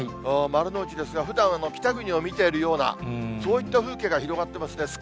丸の内ですが、ふだん北国を見ているような、そういった風景が広がってますね。